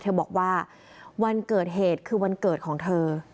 เธอบอกว่าวันเกิดเหตุคือวันเกิดของเธอ